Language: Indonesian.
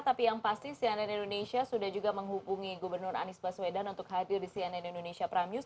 tapi yang pasti cnn indonesia sudah juga menghubungi gubernur anies baswedan untuk hadir di cnn indonesia prime news